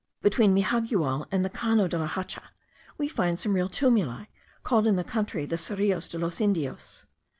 Between Mijagual and the Cano de la Hacha, we find some real tumuli, called in the country the Serillos de los Indios.